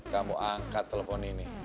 kamu angkat telepon ini